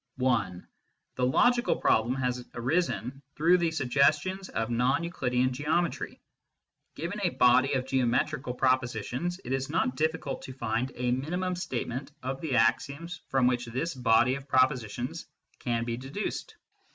(i) The logical problem has arisen through the suggestions of non Euclidean geometry. Given a body of geometrical propositions, it is not difficult to find a minimum statement of the axioms from which this body of propositions can be deduced.